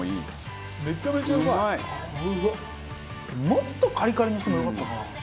もっとカリカリにしてもよかったかな。